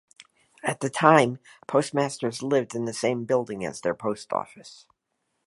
At the time, postmasters lived in the same building as their post office.